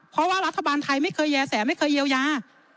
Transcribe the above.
เพราะว่ารัฐบาลไทยไม่เคยแย่แสไม่เคยเยียวยา